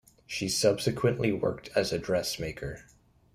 She subsequently worked as a dressmaker.